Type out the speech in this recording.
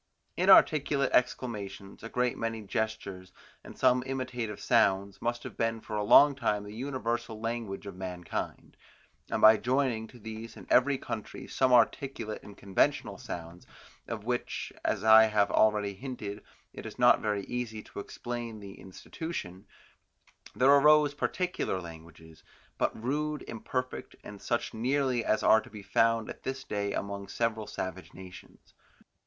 Inarticulate exclamations, a great many gestures, and some imitative sounds, must have been for a long time the universal language of mankind, and by joining to these in every country some articulate and conventional sounds, of which, as I have already hinted, it is not very easy to explain the institution, there arose particular languages, but rude, imperfect, and such nearly as are to be found at this day among several savage nations.